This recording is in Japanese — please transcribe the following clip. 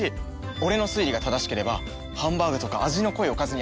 俺の推理が正しければハンバーグとか味の濃いおかずに合いそう。